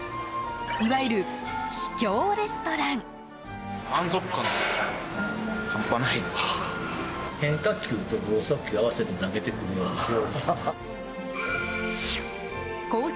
いわゆる秘境レストラン。コース